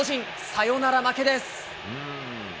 サヨナラ負けです。